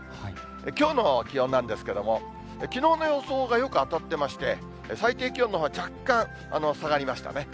きょうの気温なんですけども、きのうの予想がよく当たってまして、最低気温のほうは若干下がりましたね。